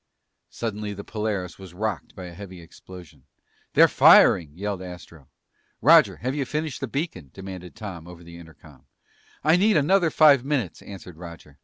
Suddenly the Polaris was rocked by a heavy explosion. "They're firing!" yelled Astro. "Roger! Have you finished the beacon?" demanded Tom over the intercom. "I need another five minutes!" answered Roger.